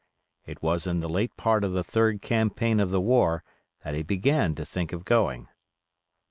It was in the late part of the third campaign of the war that he began to think of going.